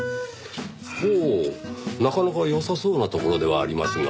ほうなかなか良さそうなところではありますが。